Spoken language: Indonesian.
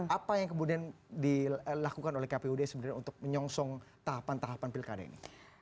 apa yang kemudian dilakukan oleh kpud sebenarnya untuk menyongsong tahapan tahapan pilkada ini